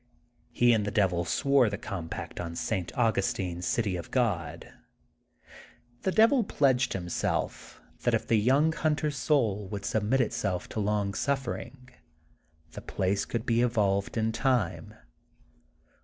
He and the Devil swore the compact on St. Augustine's ''City of God.'' The Devil pledged himself that if the young hunter 's soul would submit itself to long suf fering, the place could be evolved in time.